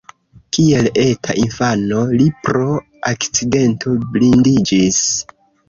Kiel eta infano li pro akcidento blindiĝis.